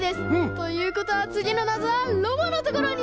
ということはつぎのなぞはロボのところに。